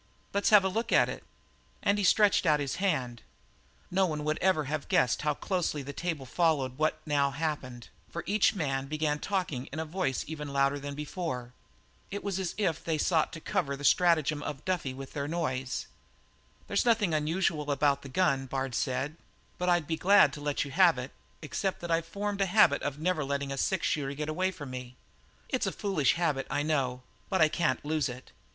Let's have a look at it." And he stretched out his hand. No one would ever have guessed how closely the table followed what now happened, for each man began talking in a voice even louder than before. It was as if they sought to cover the stratagem of Duffy with their noise. "There's nothing unusual about the gun," said Bard, "but I'd be glad to let you have it except that I've formed a habit of never letting a six shooter get away from me. It's a foolish habit, I know, but I can't lose it.